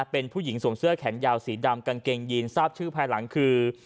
เป็นผู้หญิงสวมเสื้อแขนยาวสีดำกางเกงยีนทราบชื่อภายหลังคือ